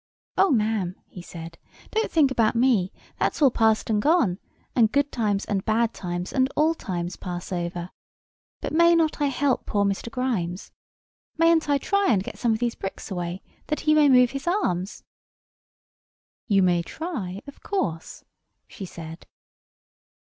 "Oh, ma'am," he said, "don't think about me; that's all past and gone, and good times and bad times and all times pass over. But may not I help poor Mr. Grimes? Mayn't I try and get some of these bricks away, that he may move his arms?" "You may try, of course," she said.